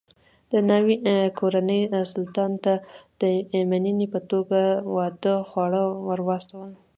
د ناوې کورنۍ سلطان ته د مننې په توګه واده خواړه ور واستول.